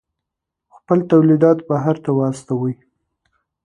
خپل تولیدات بهر ته واستوئ.